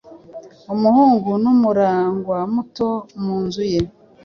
Umuhungu numuragwamuto mu nzu ye